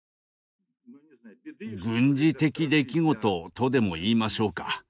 「軍事的出来事」とでも言いましょうか。